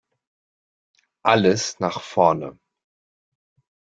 Alles nach vorne!